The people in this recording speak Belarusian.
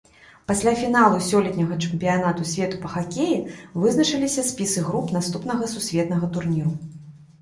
Пасля фіналу сёлетняга чэмпіянату свету па хакеі вызначыліся спісы груп наступнага сусветнага турніру.